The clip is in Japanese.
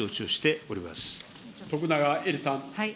徳永エリさん。